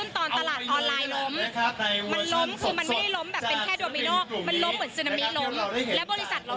ต้องไปถามนะครับ